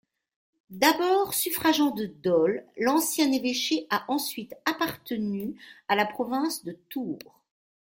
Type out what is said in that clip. D'abord suffragant de Dol, l'ancien évêché a ensuite appartenu à la province de Tours.